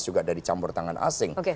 juga dari campur tangan asing